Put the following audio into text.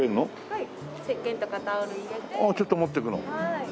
はい。